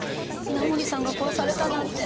稲盛さんが殺されたなんて。